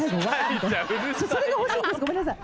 それが欲しいんですごめんなさい。